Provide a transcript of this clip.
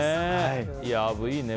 アブ、いいね。